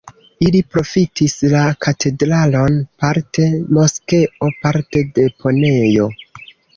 Ili profitis la katedralon parte moskeo, parte deponejo.